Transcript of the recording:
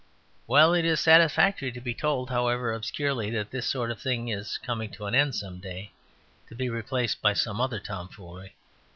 Well, it is satisfactory to be told, however obscurely, that this sort of thing is coming to an end some day, to be replaced by some other tomfoolery.